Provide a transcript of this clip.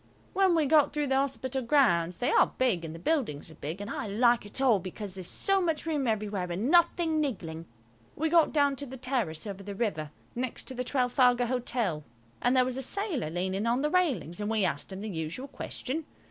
When we got through the Hospital grounds–they are big and the buildings are big, and I like it all because there's so much room everywhere and nothing niggling–we got down to the terrace over the river, next to the Trafalgar Hotel. And there was a sailor leaning on the railings, and we asked him the usual question.